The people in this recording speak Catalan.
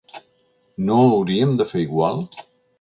No hauríem de fer igual?